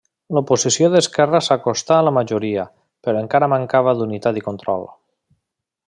L'oposició d'esquerra s'acostà a la majoria, però encara mancava d'unitat i control.